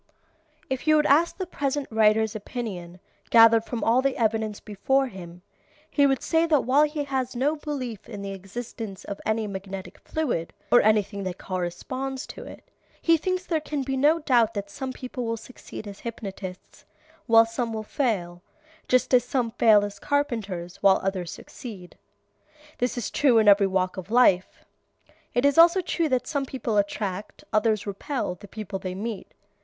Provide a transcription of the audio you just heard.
If you would ask the present writer's opinion, gathered from all the evidence before him, he would say that while he has no belief in the existence of any magnetic fluid, or anything that corresponds to it, he thinks there can be no doubt that some people will succeed as hypnotists while some will fail, just as some fail as carpenters while others succeed. This is true in every walk of life. It is also true that some people attract, others repel, the people they meet.